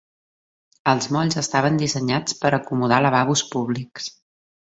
Els molls estaven dissenyats per acomodar lavabos públics.